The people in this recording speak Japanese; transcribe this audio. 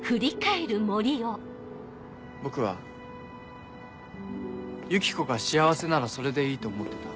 僕はユキコが幸せならそれでいいと思ってた。